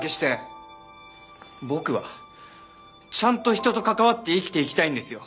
僕はちゃんと人と関わって生きていきたいんですよ。